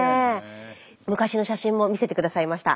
昔の写真も見せて下さいました。